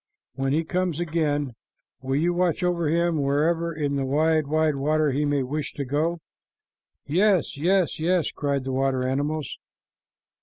When he comes again, will you watch over him wherever in the wide, wide water he may wish to go?" "Yes!" "Yes!" "Yes!" cried the water animals.